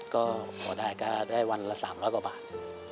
ก็พอได้ก็ได้วันละ๓๐๐กว่าบาท